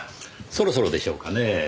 そろそろでしょうかねぇ。